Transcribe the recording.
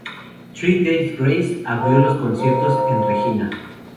Three Days Grace abrió los conciertos en Regina.